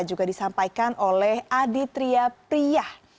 juga disampaikan oleh aditria priyah